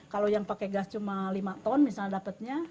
kalau yang pakai gas cuma lima ton misalnya dapatnya